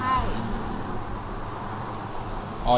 ใช่